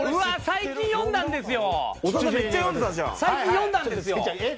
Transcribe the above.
最近読んだんですよ。